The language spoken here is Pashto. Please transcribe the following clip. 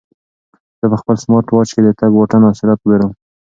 زه په خپل سمارټ واچ کې د تګ واټن او سرعت ګورم.